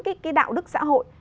cái đạo đức xã hội